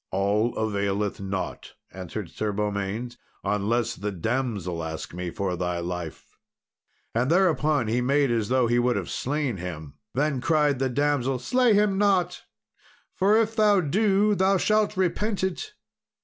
"All availeth not," answered Sir Beaumains, "unless the damsel ask me for thy life;" and thereupon he made as though he would have slain him. Then cried the damsel, "Slay him not; for if thou do thou shalt repent it."